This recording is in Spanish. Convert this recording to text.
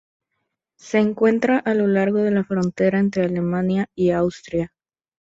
Se encuentra a lo largo de la frontera entre Alemania y Austria.